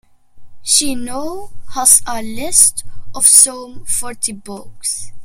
She now has a list of some forty books.